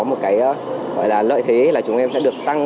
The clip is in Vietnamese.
một cái lợi thế là chúng em sẽ được tăng